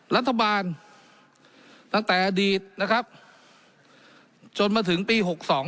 รัฐบาลตั้งแต่อดีตนะครับจนมาถึงปี๖๒